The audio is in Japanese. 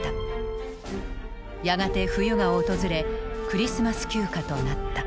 やがて冬が訪れクリスマス休暇となった。